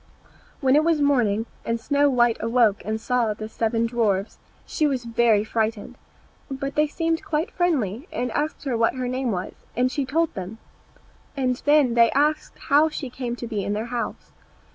When it was morning, and Snow white awoke and saw the seven dwarfs, she was very frightened; but they seemed quite friendly, and asked her what her name was, and she told them; and then they asked how she came to be in their house.